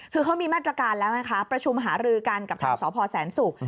คือเขามีมาตรการแล้วไงคะประชุมหารือกันกับทางสพแสนศุกร์